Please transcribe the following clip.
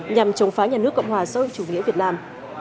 nhằm chống phá nhà nước cộng hòa giữa chủ nghĩa việt nam